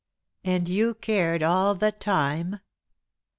And you cared all the time?"